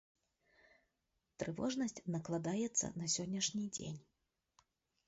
Трывожнасць накладаецца на сённяшні дзень.